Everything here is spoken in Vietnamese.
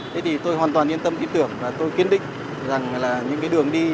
thế thì tôi hoàn toàn yên tâm ý tưởng và tôi kiên định rằng là những cái đường đi